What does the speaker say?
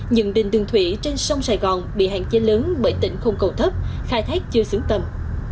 nhận định tường thủy trên sông sài gòn bị hạn chế lớn bởi tỉnh không cầu thấp khai thác chưa xứng tầm